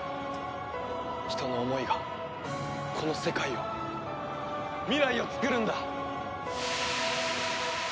人の思いがこの世界を未来を創るんだ！